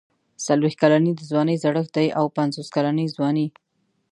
څلوېښت کلني د ځوانۍ زړښت دی او پنځوس کلني ځواني.